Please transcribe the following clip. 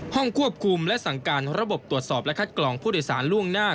ห้องควบคุมและสั่งการระบบตรวจสอบและคัดกรองผู้โดยสารล่วงหน้า